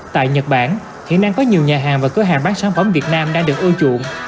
tại nhật bản hiện đang có nhiều nhà hàng và cửa hàng bán sản phẩm việt nam đang được ưu chuộng